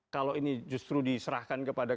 kalau ini justru diserahkan kepada